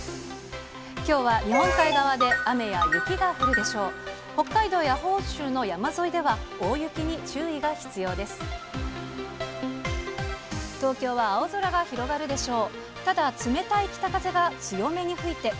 きょうは日本海側で雨や雪が降るでしょう。